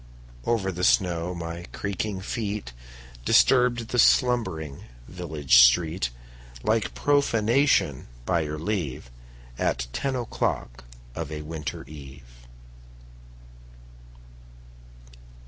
Over the snow my creaking feet Disturbed the slumbering village street Like profanation, by your leave, At ten o'clock of a winter eve.